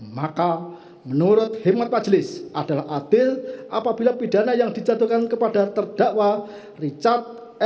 maka menurut himat majelis adalah adil apabila pidana yang dicatatkan kepada terdakwa richard eliezer